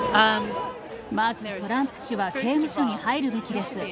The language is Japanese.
トランプ氏は刑務所に入るべきです。